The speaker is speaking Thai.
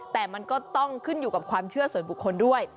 แต่มันก็ต้องขึ้นอยู่กับความเชื่อส่วนบุคคลด้วย